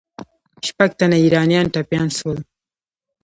شپږ تنه ایرانیان ټپیان سول.